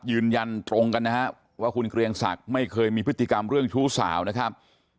ยืนยันตรงกันนะครับว่าคุณเกรียงศักดิ์ไม่เคยมีพฤติกรรมเรื่องชู้สาวนะครับ